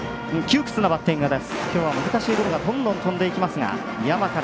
きょうは難しいゴロがどんどん飛んでいきます。